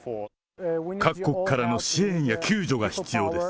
各国からの支援や救助が必要です。